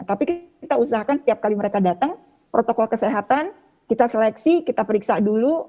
tapi kita usahakan setiap kali mereka datang protokol kesehatan kita seleksi kita periksa dulu